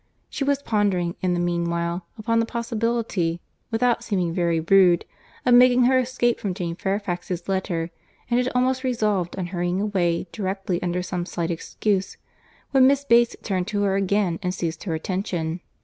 She was pondering, in the meanwhile, upon the possibility, without seeming very rude, of making her escape from Jane Fairfax's letter, and had almost resolved on hurrying away directly under some slight excuse, when Miss Bates turned to her again and seized her attention.